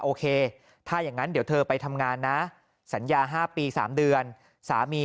โอเคถ้าอย่างนั้นเดี๋ยวเธอไปทำงานนะสัญญา๕ปี๓เดือนสามี